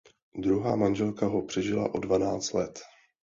Druhá manželka ho přežila o dvanáct let.